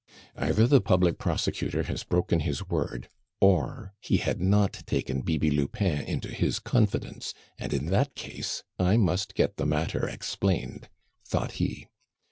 "Either the public prosecutor has broken his word, or he had not taken Bibi Lupin into his confidence, and in that case I must get the matter explained," thought he.